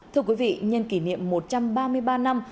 thưa quý vị nhân kỷ niệm một trăm ba mươi ba năm